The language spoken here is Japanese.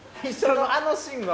あのシーンはもう。